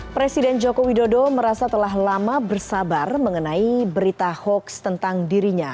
presiden joko widodo merasa telah lama bersabar mengenai berita hoax tentang dirinya